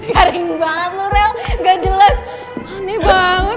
garing banget lo rel gak jelas aneh banget